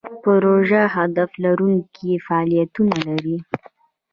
پروژه هدف لرونکي فعالیتونه لري.